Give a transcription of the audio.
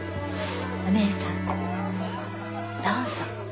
お義姉さんどうぞ。